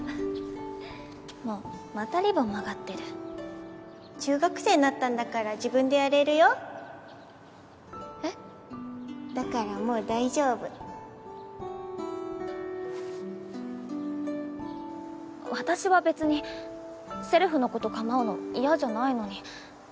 もうまたリボン曲がっ中学生なったんだから自分でやれるよえっだからもう大丈夫私は別にせるふのこと構うの嫌じゃないのに。